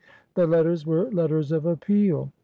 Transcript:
The letters were letters of appeal.